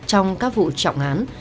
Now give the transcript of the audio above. trong các vụ trọng án